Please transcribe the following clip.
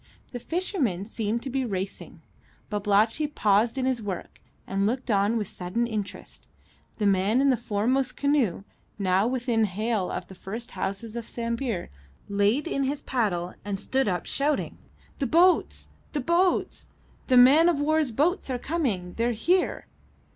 The fishermen seemed to be racing. Babalatchi paused in his work, and looked on with sudden interest. The man in the foremost canoe, now within hail of the first houses of Sambir, laid in his paddle and stood up shouting "The boats! the boats! The man of war's boats are coming! They are here!"